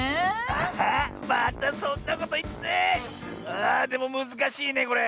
ああでもむずかしいねこれ。